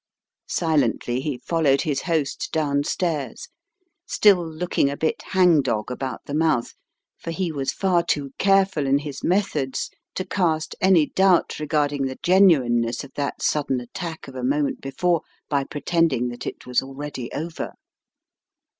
Silently he followed his host downstairs, still look Tangled Threads 188 ing a bit hang dog about the mouth for he was far too careful in his methods to cast any doubt regarding the genuineness of that sudden attack of a moment before by pretending that it was already over.